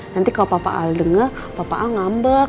nanti kalau papa al dengar papa al ngambek